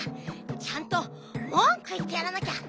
ちゃんともんくいってやらなきゃ！